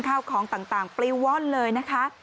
เข้าของต่างปรีวรเลยนะคะ